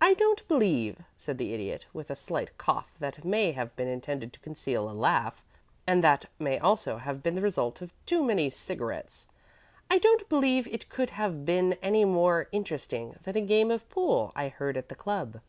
"I don't believe," said the Idiot, with a slight cough that may have been intended to conceal a laugh and that may also have been the result of too many cigarettes "I don't believe it could have been any more interesting than a game of pool I heard at the club."